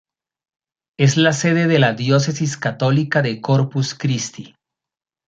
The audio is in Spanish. Es la sede de la diócesis católica de Corpus Christi.